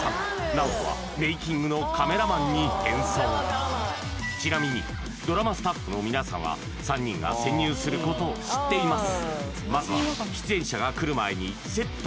ＮＡＯＴＯはメイキングのカメラマンに変装ちなみにドラマスタッフの皆さんは３人が潜入することを知っています